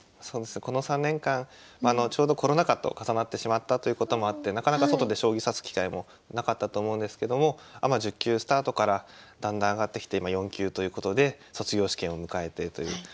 そうですねこの３年間ちょうどコロナ禍と重なってしまったということもあってなかなか外で将棋指す機会もなかったと思うんですけどもアマ１０級スタートからだんだん上がってきて今４級ということで卒業試験を迎えてという。